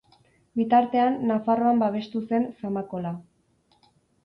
Bitartean, Nafarroan babestu zen Zamakola.